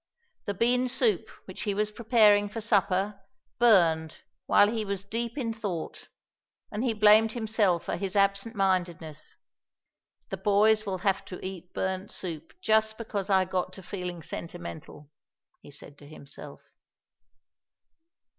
The bean soup which he was preparing for supper burned while he was deep in thought, and he blamed himself for his absent mindedness. "The boys will have to eat burnt soup just because I got to feeling sentimental," he said to himself.